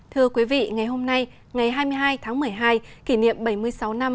thưa quý vị ngày hôm nay ngày hai mươi hai tháng một mươi hai kỷ niệm bảy mươi sáu năm